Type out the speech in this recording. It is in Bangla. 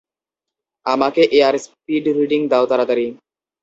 আমাকে এয়ার স্পিড রিডিং দাও তাড়াতাড়ি!